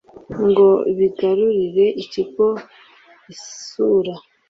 ngo bigarurire ikigo isura